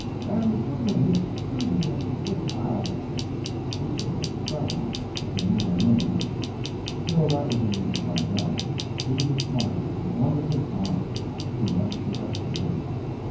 "And the children Miss Susie and little Clara?" This was a bit startling. He knew their names! Still, that was easy to find out. He was a smart agent, wonderfully smart. He must be got rid of.